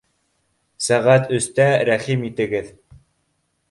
Сәғәт өстә рәхим итегеҙ